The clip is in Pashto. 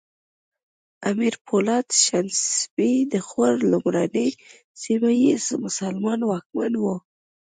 امیر پولاد شنسبی د غور لومړنی سیمه ییز مسلمان واکمن و